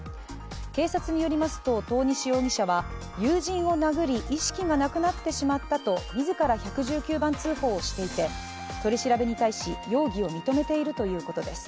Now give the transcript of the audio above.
警察によりますと遠西容疑者は友人を殴り意識がなくなってしまったと自ら１１９番通報をしていて取り調べに対し、容疑を認めているということです。